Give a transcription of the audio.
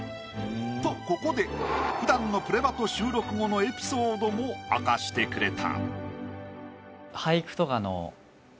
とここで普段の『プレバト』収録後のエピソードも明かしてくれた。